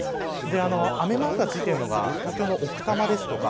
雨マークがついているのが東京の奥多摩ですとか